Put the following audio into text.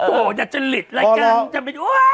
โอ้ดัดจัลลิตแล้วกันจำเป็นโอ๊ย